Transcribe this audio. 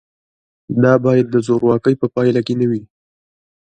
دا باید د زورواکۍ په پایله کې نه وي.